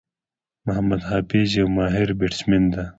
محمد حفيظ یو ماهر بيټسمېن دئ.